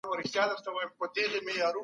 خواړه باید په ارام چاپېریال وخوړل شي.